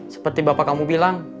seperti bapak kamu bilang